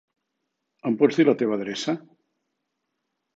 Em pots dir la teva adreça?